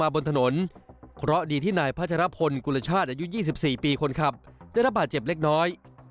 บนถนนเพราะดีที่นายพัชรพลกุลชาติอายุ๒๔ปีคนขับได้รับบาดเจ็บเล็กน้อย